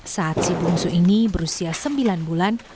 saat si bungsu ini berusia sembilan bulan